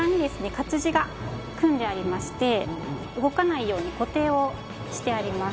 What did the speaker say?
活字が組んでありまして動かないように固定をしてあります。